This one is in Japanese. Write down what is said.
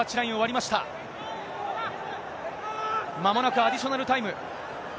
まもなくアディショナルタイム。